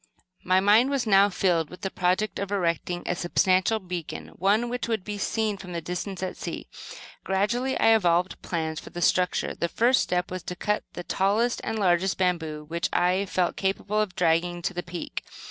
My mind was now filled with the project of erecting a substantial beacon, one which would be seen from some distance at sea. Gradually I evolved plans for the structure. The first step was to cut the tallest and largest bamboo which I felt capable of dragging to the peak.